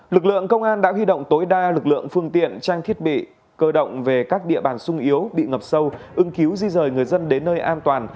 lực lượng công an đã huy động tối đa lực lượng phương tiện trang thiết bị cơ động về các địa bàn sung yếu bị ngập sâu ứng cứu di rời người dân đến nơi an toàn